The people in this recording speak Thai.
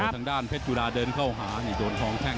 ทางด้านเพชรจุฬาเดินเข้าหาโดนทองแข้ง